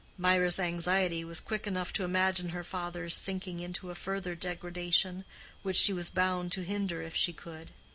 Mirah's anxiety was quick enough to imagine her father's sinking into a further degradation, which she was bound to hinder if she could.